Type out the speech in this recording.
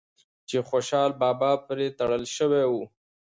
چې خوشحال بابا پرې تړل شوی و